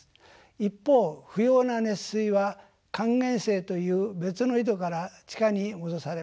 一方不要な熱水は還元井という別の井戸から地下に戻されます。